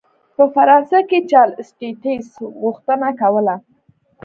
په فرانسه کې جل اسټټس غوښتنه کوله.